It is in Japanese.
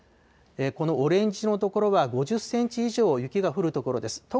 このオレンジの所は５０センチ以上、雪が降る所です。